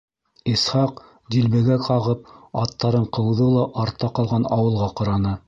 Исхаҡ дилбегә ҡағып аттарын ҡыуҙы ла артта ҡалған ауылға ҡараны.